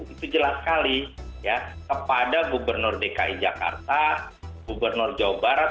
itu jelas sekali ya kepada gubernur dki jakarta gubernur jawa barat